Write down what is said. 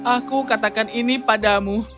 aku katakan ini padamu